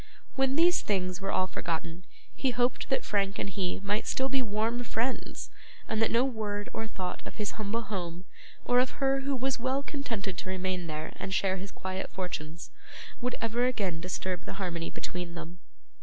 When these things were all forgotten, he hoped that Frank and he might still be warm friends, and that no word or thought of his humble home, or of her who was well contented to remain there and share his quiet fortunes, would ever again disturb the harmony between them.